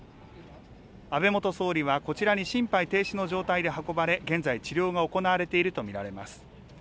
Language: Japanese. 安倍元総理はこちらに心肺停止の状態で運ばれ、現在、治療が行われていると見られます。